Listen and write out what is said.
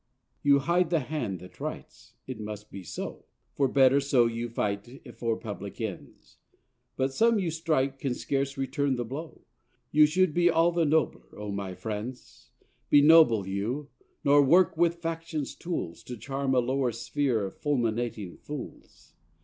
You hide the hand that writes: it must be so, For better so you fight for public ends; But some you strike can scarce return the blow; You should be all the nobler, O my friends. Be noble, you! nor work with faction's tools To charm a lower sphere of fulminating fools.